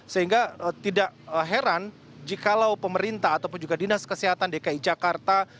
sehingga tidak heran jikalau pemerintah ataupun juga dinas kesehatan dki jakarta